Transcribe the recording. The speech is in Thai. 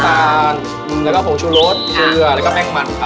ตาลแล้วก็ผงชูรสเกลือแล้วก็แป้งมันครับ